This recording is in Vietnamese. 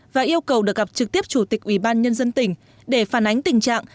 và yêu cầu được gặp trực tiếp chủ tịch ubnd tỉnh để phản ánh tình trạng